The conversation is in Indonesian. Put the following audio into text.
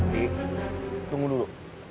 nih tunggu dulu